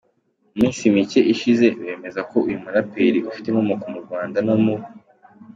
mu minsi mike ishize bemeza ko uyu muraperi ufite inkomoko mu Rwanda no mu.